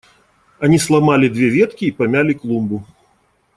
Они сломали две ветки и помяли клумбу.